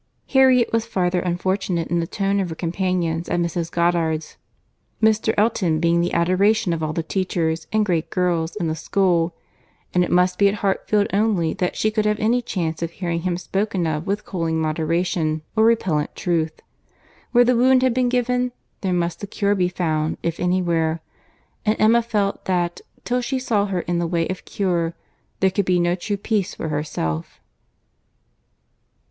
Harriet was farther unfortunate in the tone of her companions at Mrs. Goddard's; Mr. Elton being the adoration of all the teachers and great girls in the school; and it must be at Hartfield only that she could have any chance of hearing him spoken of with cooling moderation or repellent truth. Where the wound had been given, there must the cure be found if anywhere; and Emma felt that, till she saw her in the way of cure, there could be no true peace for herself.